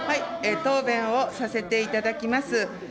答弁をさせていただきます。